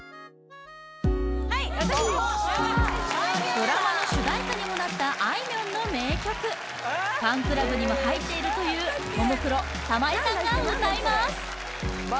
はい私あっしおりんドラマの主題歌にもなったあいみょんの名曲ファンクラブにも入っているというももクロ玉井さんが歌います